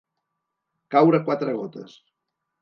Caure quatre gotes.